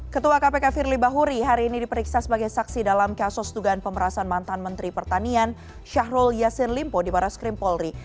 ketua kpk firly bahuri hari ini diperiksa sebagai saksi dalam kasus dugaan pemerasan mantan menteri pertanian syahrul yassin limpo di barat skrim polri